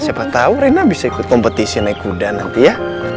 siapa tahu rena bisa ikut kompetisi naik kuda nanti ya